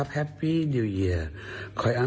แฮปปี้เรียครับ